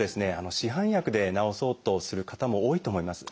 市販薬で治そうとする方も多いと思います。